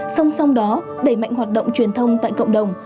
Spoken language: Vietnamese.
song song đó đẩy mạnh hoạt động truyền thông tại cộng đồng